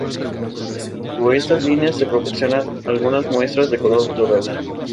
Bajo estas líneas se proporciona algunas muestras del color dorado.